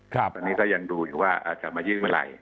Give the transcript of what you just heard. ตอนนี้ก็ยังดูอยู่ว่าจะมายื่นเมื่อไหร่